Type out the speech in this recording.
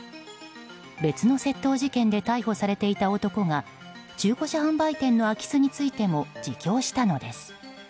別の窃盗事件で逮捕されていた男が中古車販売店の空き巣についても自供したのです。